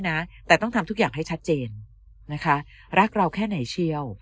นะแต่ต้องทำทุกอย่างให้ชัดเจนนะคะรักเราแค่ไหนเชียว